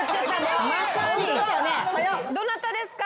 どなたですか？